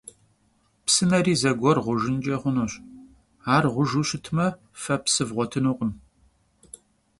Псынэри зэгуэр гъужынкӀэ хъунущ. Ар гъужу щытмэ, фэ псы вгъуэтынукъым.